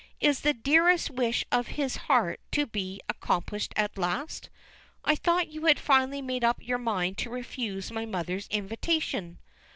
Is the dearest wish of his heart to be accomplished at last? "I thought you had finally made up your mind to refuse my mother's invitation?"